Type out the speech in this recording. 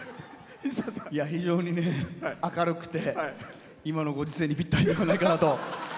非常に明るくて今のご時世にぴったりではないかなと。